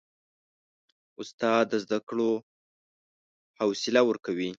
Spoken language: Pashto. استاد د زده کړو حوصله ورکوي.